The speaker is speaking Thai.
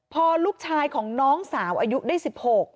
พอลูกชายของน้องสาวอายุได้๑๖